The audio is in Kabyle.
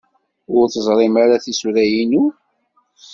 Ur teẓrimt ara tisura-inu?